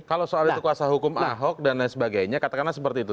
kalau soal itu kuasa hukum ahok dan lain sebagainya katakanlah seperti itu